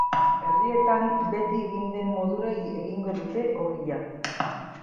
Herrietan beti egin den modura egingo dute ogia.